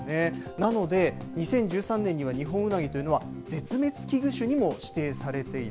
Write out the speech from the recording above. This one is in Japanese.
なので、２０１３年にはニホンウナギというのは、絶滅危惧種にも指定されている。